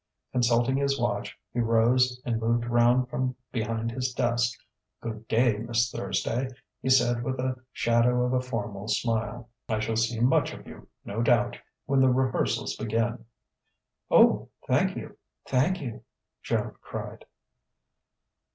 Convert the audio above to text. Consulting his watch, he rose and moved round from behind his desk. "Good day, Miss Thursday," he said with a shadow of a formal smile. "I shall see much of you, no doubt, when the rehearsals begin." "Oh, thank you thank you!" Joan cried.